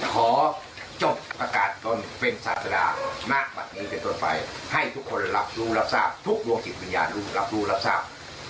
ขอจบประกาศตนเป็นศาสดานาคบัตรนี้เป็นต้นไปให้ทุกคนรับรู้รับทราบทุกดวงจิตวิญญาณลูกรับรู้รับทราบ